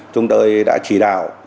trong đời đã chỉ đạo